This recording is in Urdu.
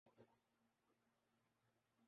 ہمارامزاج اور ہے۔